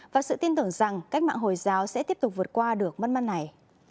và sự tin tưởng rằng cách mạng hồi giáo sẽ tiếp tục vượt qua được mất mắt này